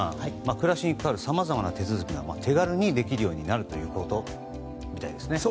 暮らしに関わるさまざまな手続きが手軽にできるようになるということみたいですね。